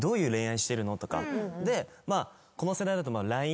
まあこの世代だと。